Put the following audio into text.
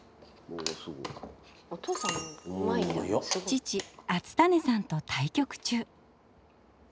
父敦胤さんと対局中。